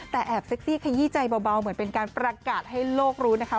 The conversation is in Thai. แต่แอบเซ็กซี่ขยี้ใจเบาเหมือนเป็นการประกาศให้โลกรู้นะคะ